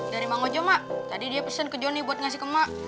dari mang ojo mbak tadi dia pesen ke joni buat ngasih ke mbak